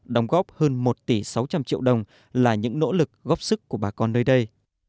đóng góp hơn một tỷ sáu trăm linh triệu đồng là những nỗ lực góp sức của bà con nơi đây